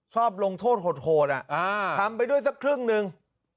ลงโทษโหดทำไปด้วยสักครึ่งหนึ่ง